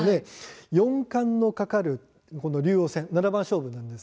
四冠の懸かる竜王戦は七番勝負です。